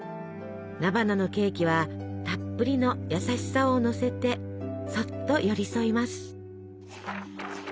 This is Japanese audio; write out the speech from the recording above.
菜花のケーキはたっぷりの優しさをのせてそっと寄り添います。